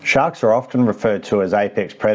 hantu sering disebut sebagai predator apex